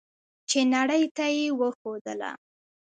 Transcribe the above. چې نړۍ ته یې وښودله.